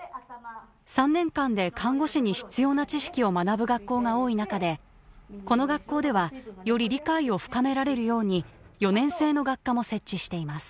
３年間で看護師に必要な知識を学ぶ学校が多い中でこの学校ではより理解を深められるように４年制の学科も設置しています。